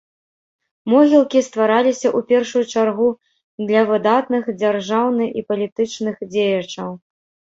Могілкі ствараліся ў першую чаргу для выдатных дзяржаўны і палітычных дзеячаў.